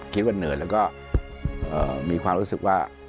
ว่าเหนื่อยแล้วก็มีความรู้สึกว่า